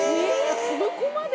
そこまで？